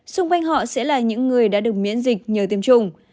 xung quanh họ sẽ là những người đã được miễn dịch nhờ tiêm chủng